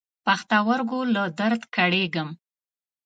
پښتورګو له درد کړېږم.